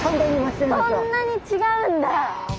そんなに違うんだ。